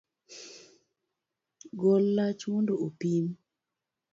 Gol lach mondo opim